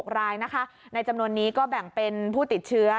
๖รายนะคะในจำนวนนี้ก็แบ่งเป็นผู้ติดเชื้อ